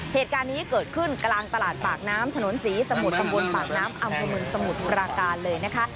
เหตุการณ์นี้เกิดขึ้นกลางตลาดปากน้ำถนนศรีสมุทรตำบลปากน้ำอำเภอเมืองสมุทรปราการเลยนะคะ